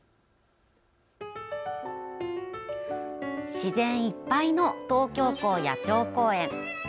自然いっぱいの東京港野鳥公園。